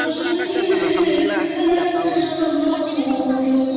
terus bedanya baca dengan al quran di cina